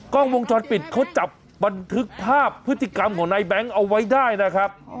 กล้องวงจรปิดเขาจับบันทึกภาพพฤติกรรมของนายแบงค์เอาไว้ได้นะครับ